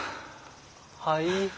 はい。